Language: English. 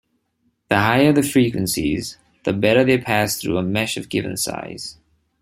The higher the frequencies, the better they pass through a mesh of given size.